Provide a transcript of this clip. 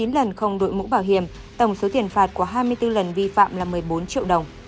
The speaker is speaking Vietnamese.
một mươi chín lần không đuổi mũ bảo hiểm tổng số tiền phạt của hai mươi bốn lần vi phạm là một mươi bốn triệu đồng